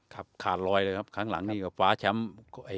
ครับขาดรอยเลยครับครั้งหลังนี่ก็ฟ้าแชมป์